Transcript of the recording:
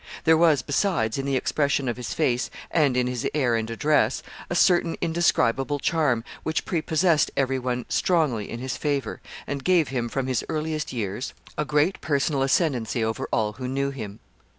There was, besides, in the expression of his face, and in his air and address, a certain indescribable charm, which prepossessed every one strongly in his favor, and gave him, from his earliest years, a great personal ascendency over all who knew him. [Sidenote: Plans to assassinate him.